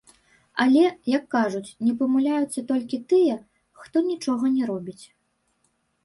Але, як кажуць, не памыляюцца толькі тыя, хто нічога не робіць.